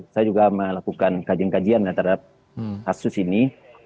saya juga melakukan kajian kajian terhadap kasus ini